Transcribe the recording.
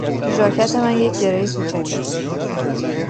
ژاکت من یک گره کوچک است.